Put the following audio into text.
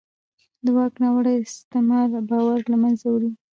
د واک ناوړه استعمال باور له منځه وړي